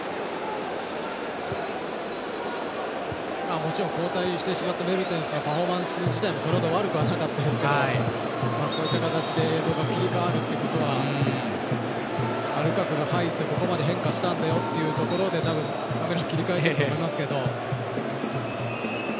もちろん交代してしまったメルテンスのパフォーマンス自体もそれほど悪くはなかったですけどこういった形で映像が切り替わるということはルカクが入ってここまで変化したんだよっていうところで多分、カメラを切り替えていると思いますけど。